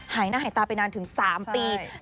หายหน้าหายตาไปนานถึง๓ปี